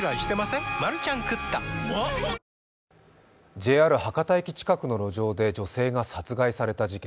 ＪＲ博多駅前近くの路上で女性が殺害された事件。